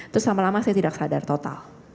terus lama lama saya tidak sadar total